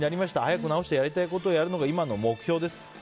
早く治してやりたいことをやるのが今の目標です。